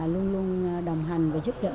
luôn luôn đồng hành và giúp đỡ